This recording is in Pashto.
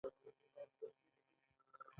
موجوده ژوي په دوو لارو زده کړه کوي.